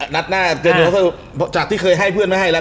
ไม่จ่ายเฉยจ่ายดีอยู่แล้ว